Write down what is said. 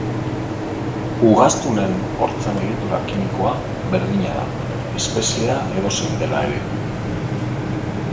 Ugaztunen hortzen egitura kimikoa berdina da, espeziea edozein dela ere.